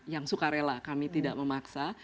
yang suka rela kami tidak memaksa